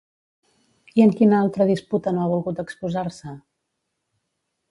I en quina altra disputa no ha volgut exposar-se?